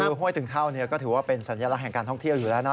คือห้วยตึงเท่าก็ถือว่าเป็นสัญลักษณ์แห่งการท่องเที่ยวอยู่แล้วนะ